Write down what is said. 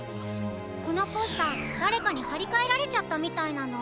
このポスターだれかにはりかえられちゃったみたいなの。